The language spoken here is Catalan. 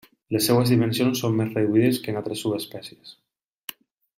Les seves dimensions són més reduïdes que en altres subespècies.